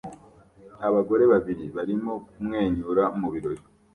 Abagore babiri barimo kumwenyura mu birori